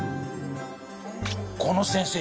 この先生